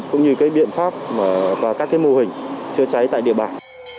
cũng như biện pháp và các mô hình chữa cháy tại địa bàn